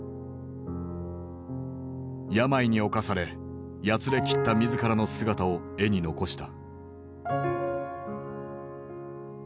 病に侵されやつれきった自らの姿を絵に残した。